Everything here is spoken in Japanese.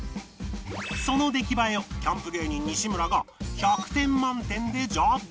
その出来栄えをキャンプ芸人西村が１００点満点でジャッジ